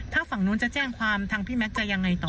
ถ้าฝั่งนู้นจะแจ้งความทางพี่แม็กซจะยังไงต่อ